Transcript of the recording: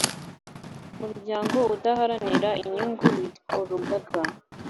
Umuryango udaharanira inyungu witwa urugaga